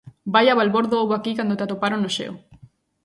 Vaia balbordo houbo aquí cando te atoparon no xeo.